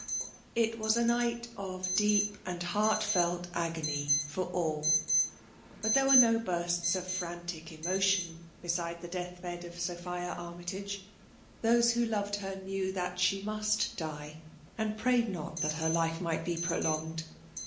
It was a night of deep and heartfelt agony to all. But there were no bursts of frantic emotion beside the death bed of Sophia Arm j tage. Those who loved her knew that she must die, — and prayed not that her life might be prolonged.